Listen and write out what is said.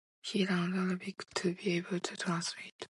He learned Arabic to be able to translate.